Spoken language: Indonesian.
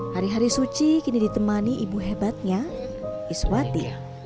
hari hari suci kini ditemani ibu hebatnya iswati